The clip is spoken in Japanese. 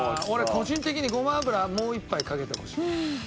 個人的にごま油もう一杯かけてほしい。